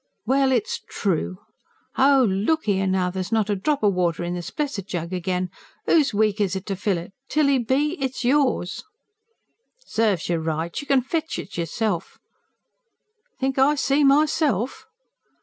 "Well, it's true. Oh, look 'ere now, there's not a drop o' water in this blessed jug again. 'Oo's week is it to fill it? Tilly B., it's yours!" "Serves you right. You can fetch it yourself." "Think I see myself!"